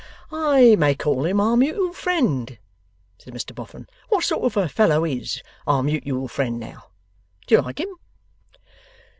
'I may call him Our Mutual Friend,' said Mr Boffin. 'What sort of a fellow IS Our Mutual Friend, now? Do you like him?